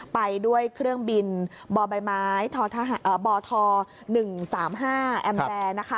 ไปด้วยเครื่องบินบใบไม้บท๑๓๕แอมแบร์นะคะ